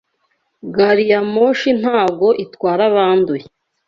Gari ya moshi ntago itwara abanduye.